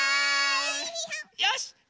よし！